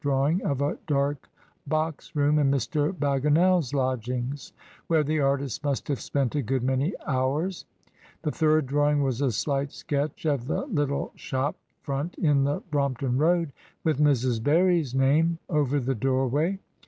drawing of a dark box room in Mr. Bagginal's lodgings, where the artist must have spent a good many hours; the third drawing was a slight sketch of the little shop front in the Brompton Road, with Mrs. Barry's name over the doorway.